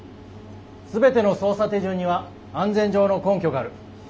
全ての操作手順には安全上の根拠がある。